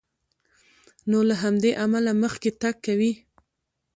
نو له همدې امله مخکې تګ کوي.